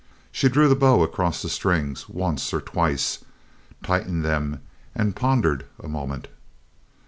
She drew the bow across the strings once or twice, tightened them, and pondered a moment.